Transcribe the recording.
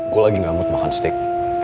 gue lagi gak mau makan steak